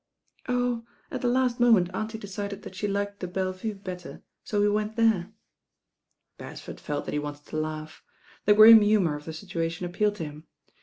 i i *?h "!'^' moment auntie decided that she liked the Belle Vue better, so we went there." Beresford felt that he wanted to laugh. The grim humour of the situation appealed to him.